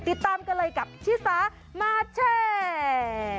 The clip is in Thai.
ติดตามกันเลยกับชิสามาแชร์